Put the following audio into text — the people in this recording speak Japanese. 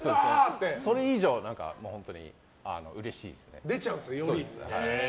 それ以上にうれしいですね。